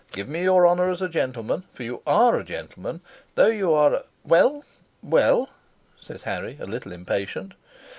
Give me your honor as a gentleman, for you ARE a gentleman, though you are a " "Well, well?" says Harry, a little impatient.